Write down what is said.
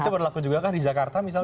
itu berlaku juga kan di jakarta misalnya